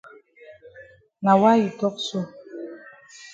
Na why you tok so?